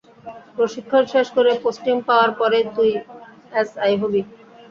প্রশিক্ষণ শেষ করে পোস্টিং পাওয়ার পরেই তুই এসআই হবি।